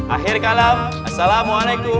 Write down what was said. akhir kalam wassalamualaikum warahmatullahi wabarakatuh